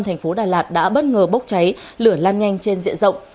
thành phố đà lạt đã bất ngờ bốc cháy lửa lan nhanh trên diện rộng